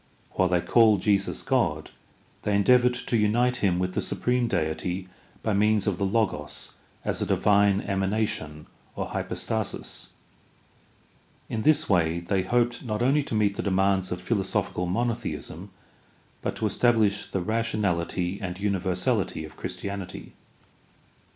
While they called Jesus God, they endeavored to unite him with the supreme Deity by means of the Logos as a divine emanation or hypostasis. In this way they hoped not only to meet the demands of philo sophical monotheism but to estabhsh the rationality and 304 GUIDE TO STUDY OF CHRISTIAN RELIGION universality of Christianity.